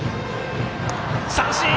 三振！